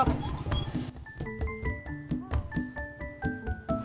nyetopinnya jangan pake